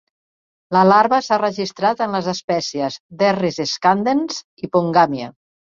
La larva s'ha registrat en les espècies "Derris scandens" i "Pongamia".